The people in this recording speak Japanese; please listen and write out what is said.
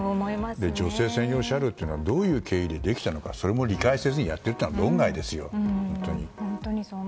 女性専用車両がどういう経緯でできたのかそれも理解せずにやっているとは論外ですよ、本当に。